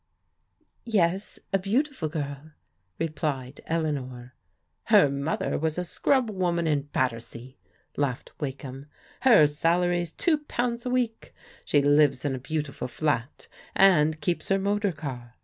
Yes, a beautiful g^rl," replied Eleanor. Her mother was a scrub woman in Battersea," laughed Wakeham. " Her salary's two pounds a week. She lives in a beautiful flat and keeps her motor car.